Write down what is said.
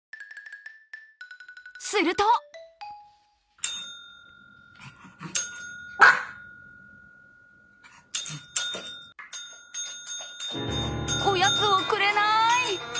するとおやつをくれなーい！